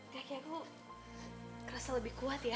kaki aku kerasa lebih kuat ya